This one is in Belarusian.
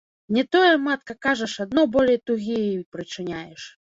Не тое, матка, кажаш, адно болей тугі ёй прычыняеш.